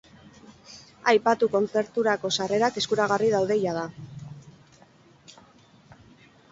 Aipatu kontzerturako sarrerak eskuragarri daude jada.